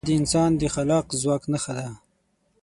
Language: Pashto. دا د انسان د خلاق ځواک نښه ده.